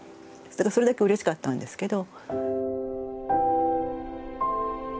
それだけうれしかったんですけど。